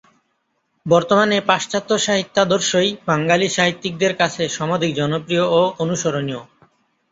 বর্তমানে পাশ্চাত্য সাহিত্যাদর্শই বাঙালি সাহিত্যিকদের কাছে সমধিক জনপ্রিয় ও অনুসরণীয়।